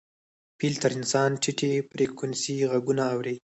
فیل تر انسان ټیټې فریکونسۍ غږونه اوري.